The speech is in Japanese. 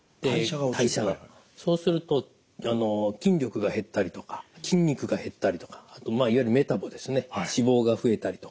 そうすると筋力が減ったりとか筋肉が減ったりとかいわゆるメタボですね脂肪が増えたりとか。